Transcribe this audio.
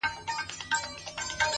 تقوا برهان شکوري